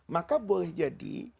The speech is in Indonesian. maka boleh jadi